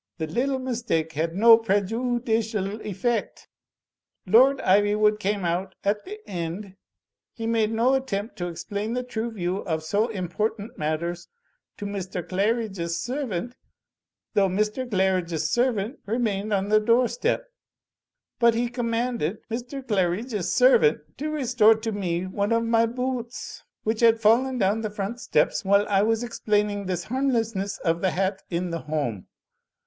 The little mistake had no preju udicial effect. Lord Ivywood came out, at the end. He made no attempt to explain the true view of so important matters to Mr. Qaridge's servant, though Mr. Qaridge's servant remained on the doorstep. But he commanded Mr. Qaridge's servant to restore to me one of my boo oots, which had fallen down the front steps, whUe I was explaining this harm lessness of the hat in the home.